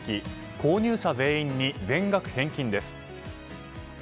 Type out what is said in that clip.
購入者全員に全額返金です。